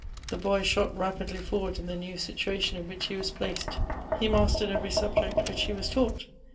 " The boy shot rapidly forward in the new situation in which he was placed. He mastered every subject which he was taught.